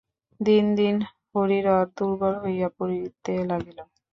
দিন দিন হরিহর দুর্বল হইয়া পড়িতে লাগিল।